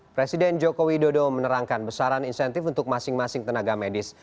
presiden joko widodo menerangkan besaran insentif untuk masing masing tenaga medis